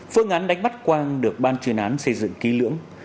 phương án đánh bắt quang được ban chuyên án xây dựng ký lưỡng